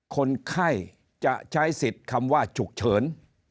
คนไข้จะใช้สิทธิ์คำว่าฉุกเฉิน